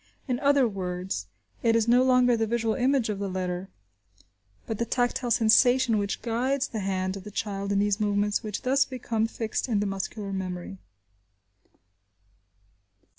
In other words, it is no longer the visual image of the letter, but the tactile sensation, which guides the hand of the child in these movements, which thus become fixed in the muscular memory.